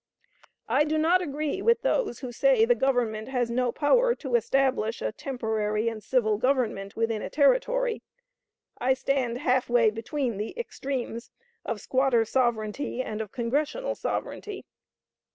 I do not agree with those who say the Government has no power to establish a temporary and civil government within a Territory. I stand half way between the extremes of squatter sovereignty and of Congressional sovereignty.